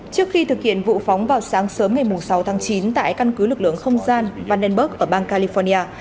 trước khi thực hiện vụ phóng vào sáng sớm ngày sáu tháng chín tại căn cứ lực lượng không gian vandenberg ở bang california